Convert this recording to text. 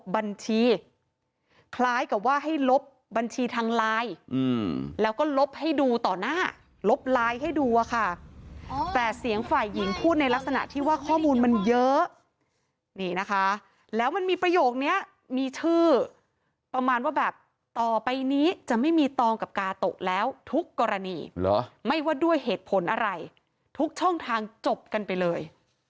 บัญชีคล้ายกับว่าให้ลบบัญชีทางไลน์แล้วก็ลบให้ดูต่อหน้าลบไลน์ให้ดูอะค่ะแต่เสียงฝ่ายหญิงพูดในลักษณะที่ว่าข้อมูลมันเยอะนี่นะคะแล้วมันมีประโยคนี้มีชื่อประมาณว่าแบบต่อไปนี้จะไม่มีตองกับกาโตะแล้วทุกกรณีไม่ว่าด้วยเหตุผลอะไรทุกช่องทางจบกันไปเลย